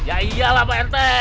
ya iyalah pak rt